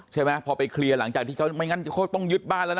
ใช่ไหมพอไปเคลียร์หลังจากที่เขาไม่งั้นเขาต้องยึดบ้านแล้วนะ